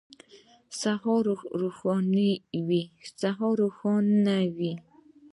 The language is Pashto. سهار روښنايي دی.